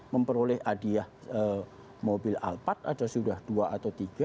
memperoleh hadiah mobil alphard atau sudah dua atau tiga